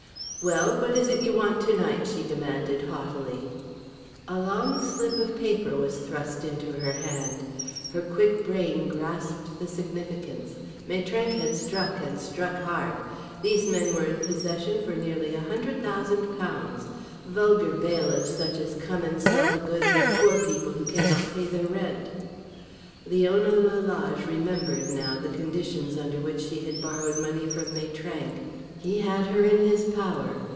"Well, what is it you want tonight?" she demanded, haughtily. A long slip of paper was thrust into her hand. Her quick brain grasped the significance. Maitrank had struck, and struck hard. These men were in possession for nearly £100,000 vulgar bailiffs such as come and sell the goods of poor people who cannot pay their rent. Leona Lalage remembered now the conditions under which she had borrowed money from Maitrank. He had her in his power.